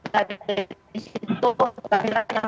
itu dikaitkan dengan itu waktu tadi pun saat itu jadi kita menghilangkan